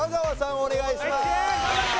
お願いします